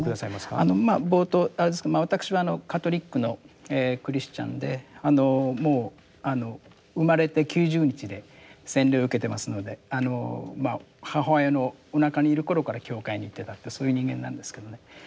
あの冒頭私はカトリックのクリスチャンであのもうあの生まれて９０日で洗礼を受けてますので母親のおなかにいる頃から教会に行ってたってそういう人間なんですけどね。